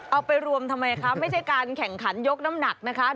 เอาไปรวมทำไมคะไม่ใช่การแข่งขันยกน้ำหนักนะคะ